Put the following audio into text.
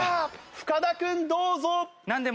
深田君どうぞ。